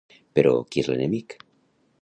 Però, qui és l'enemic?